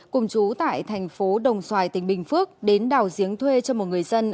cùng chú tại thành phố đồng xoài tỉnh bình phước đến đào giếng thuê cho một người dân